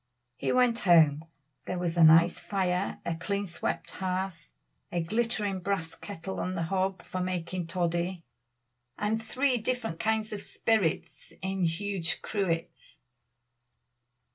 He went home; there was a nice fire, a clean swept hearth, a glittering brass kettle on the hob for making toddy, and three different kinds of spirits in huge cruets.